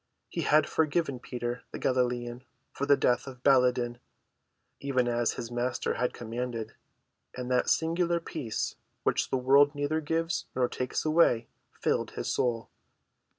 He had forgiven Peter, the Galilean, for the death of Baladan, even as his Master had commanded, and that singular peace which the world neither gives nor takes away filled his soul.